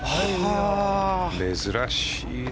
珍しいな。